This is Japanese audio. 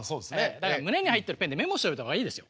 だから胸に入ってるペンでメモしといた方がいいですよ。